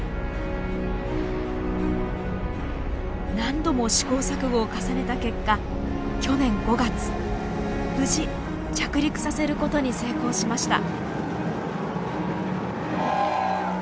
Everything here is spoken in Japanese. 何度も試行錯誤を重ねた結果去年５月無事着陸させることに成功しました。